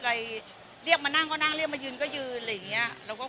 อะไรเรียกมานั่งก็นั่งเรียกมายืนก็ยืนอะไรอย่างเงี้ยเราก็